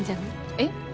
えっ。